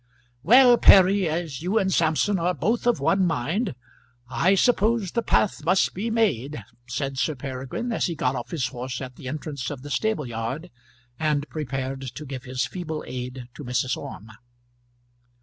"Well, Perry, as you and Samson are both of one mind, I suppose the path must be made," said Sir Peregrine, as he got off his horse at the entrance of the stable yard, and prepared to give his feeble aid to Mrs. Orme.